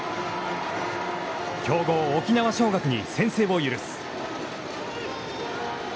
強豪・沖縄尚学に先制を許す。